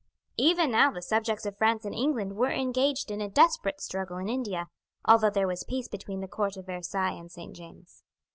Even now the subjects of France and England were engaged in a desperate struggle in India, although there was peace between the courts of Versailles and St. James's.